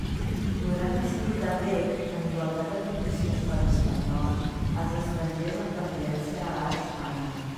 Podran accedir també, en igualtat de condicions que els espanyols, els estrangers amb residència legal a Espanya.